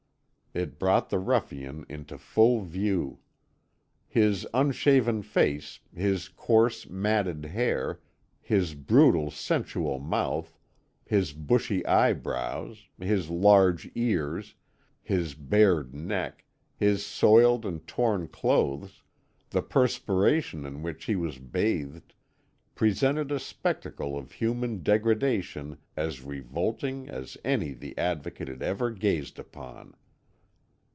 It brought the ruffian into full view. His unshaven face, his coarse, matted hair, his brutal sensual mouth, his bushy eyebrows, his large ears, his bared neck, his soiled and torn clothes, the perspiration in which he was bathed, presented a spectacle of human degradation as revolting as any the Advocate had ever gazed upon.